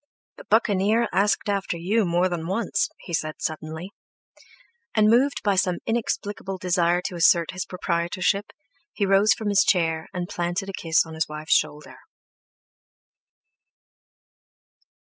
"The Buccaneer asked after you more than once," he said suddenly. And moved by some inexplicable desire to assert his proprietorship, he rose from his chair and planted a kiss on his wife's shoulder.